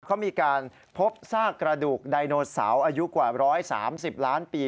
เขามีการพบซากกระดูกไดโนเสาร์อายุกว่า๑๓๐ล้านปี